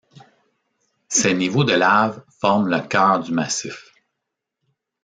Ces niveaux de laves forment le cœur du massif.